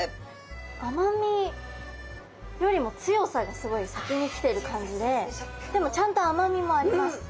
甘みよりも強さがすごい先に来てる感じででもちゃんと甘みもあります。